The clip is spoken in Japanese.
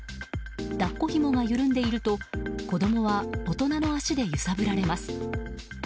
抱っこひもが緩んでいると子供は大人の足で揺さぶられます。